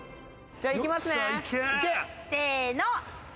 じゃあ、行きますね。